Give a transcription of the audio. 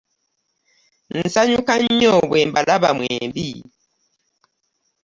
Nsanyuka nnyo bwe mbalaba mwembi.